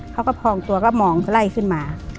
เขาก็พองตัวก็มองไล่ขึ้นมา